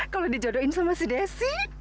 kalau dijodohin sama si desi